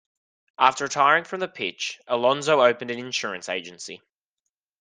After retiring from the pitch, Alonso opened an insurance agency.